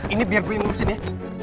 ini biar gua emosin ya